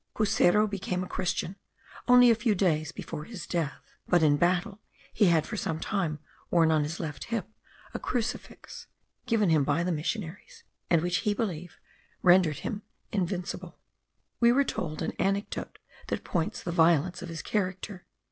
Cuseru became a christian only a few days before his death; but in battle he had for some time worn on his left hip a crucifix, given him by the missionaries, and which he believed rendered him invulnerable. We were told an anecdote that paints the violence of his character.